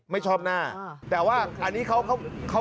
ไม่ชอบหน้าแต่ว่าอันนี้เขา